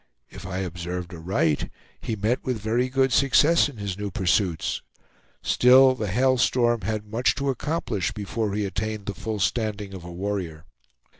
If I observed aright, he met with very good success in his new pursuits; still the Hail Storm had much to accomplish before he attained the full standing of a warrior.